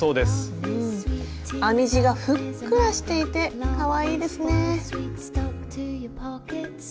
編み地がふっくらしていてかわいいですね。